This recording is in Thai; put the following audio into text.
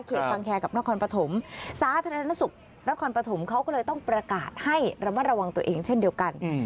บางแคร์กับนครปฐมสาธารณสุขนครปฐมเขาก็เลยต้องประกาศให้ระมัดระวังตัวเองเช่นเดียวกัน